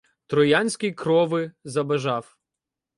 Троянськой крови забажав.